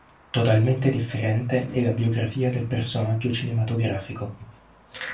Totalmente differente è la biografia del personaggio cinematografico.